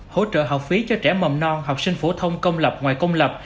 hỗ trợ học phí cho trẻ mầm non học sinh phổ thông công lập ngoài công lập